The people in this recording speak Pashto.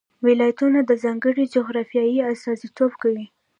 ولایتونه د ځانګړې جغرافیې استازیتوب کوي.